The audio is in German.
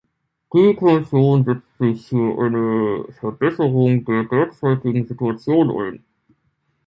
Die Kommission setzt sich für eine Verbesserung der derzeitigen Situation ein.